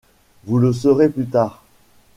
Vous le saurez plus tard !